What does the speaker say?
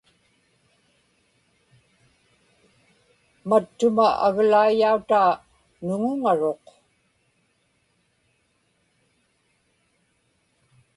mattuma aglaiyautaa nuŋuŋaruq